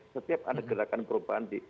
setiap ada gerakan perubahan